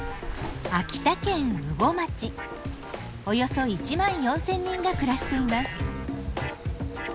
およそ１万４，０００人が暮らしています。